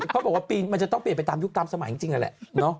เขาบอกว่าปีมันจะต้องเปลี่ยนไปตามยุคตามสมัยจริงนั่นแหละ